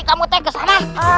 kamu teh kesana